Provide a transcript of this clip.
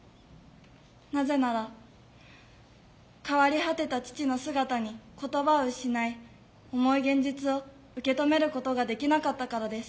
なぜなら変わり果てた父の姿に言葉を失い重い現実を受け止めることができなかったからです。